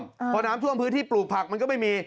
เพราะน้ำท่วมพื้นที่ปลูกผักมันก็ไม่มี